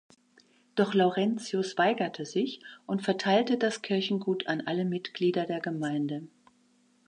Doch Laurentius weigerte sich und verteilte das Kirchengut an alle Mitglieder der Gemeinde.